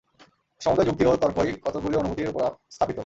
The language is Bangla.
সমুদয় যুক্তি ও তর্কই কতকগুলি অনুভূতির উপর স্থাপিত।